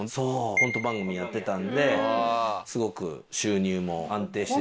コント番組やってたんですごく収入も安定してて。